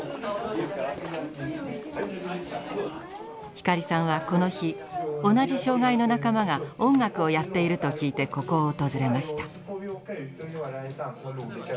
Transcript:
光さんはこの日同じ障害の仲間が音楽をやっていると聞いてここを訪れました。